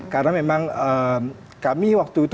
karena memang kami waktu itu